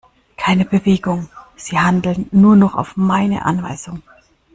Keine Bewegung, sie handeln nur noch auf meine Anweisung!